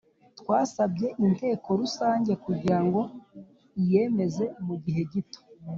Twasabye inteko Rusange kugira ngo iyemeze mu gihe gito